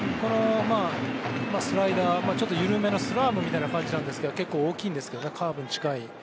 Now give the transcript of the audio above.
スライダーは、ちょっと緩めのスラーブみたいな感じなんですが結構大きいですけどカーブに近い。